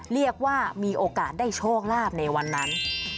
เรียกว่ามีโอกาสได้โชคลาภในวันนั้น